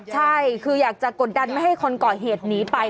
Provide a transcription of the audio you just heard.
ใช่คืออยากจะกดดันไม่ให้คนก่อเหตุหนีไป